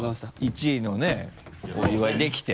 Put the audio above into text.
１位のねお祝いできて。